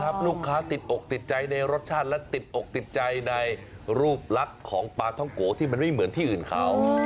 ลูกค้าติดอกติดใจในรสชาติและติดอกติดใจในรูปลักษณ์ของปลาท่องโกะที่มันไม่เหมือนที่อื่นเขา